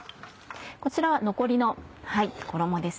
こちらは残りの衣です。